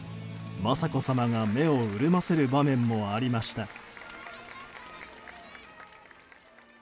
雅子さまが目を潤ませる場面もありました。